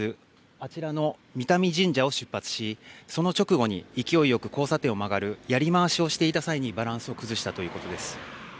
あちらの美多彌神社を出発し、その直後に勢いよく交差点を曲がるやり回しをしていた際にバランスを崩したということです。